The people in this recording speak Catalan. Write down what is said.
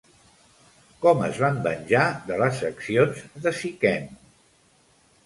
Com es van venjar de les accions de Siquem?